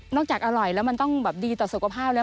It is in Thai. จากอร่อยแล้วมันต้องแบบดีต่อสุขภาพแล้ว